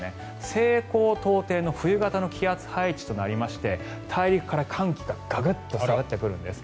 西高東低の冬型の気圧配置となりまして大陸から寒気がググッと下がってくるんです。